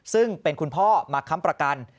ซึ่งเป็นคุณพ่อมาค้ำประกัน